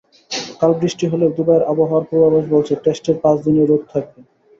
কাল বৃষ্টি হলেও দুবাইয়ের আবহাওয়ার পূর্বাভাস বলছে, টেস্টের পাঁচ দিনই রোদ থাকবে।